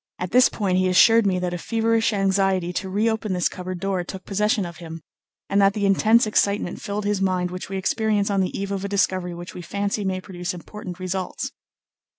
At this point he assured me that a feverish anxiety to re open this cupboard door took possession of him, and that the intense excitement filled his mind which we experience on the eve of a discovery which we fancy may produce important results.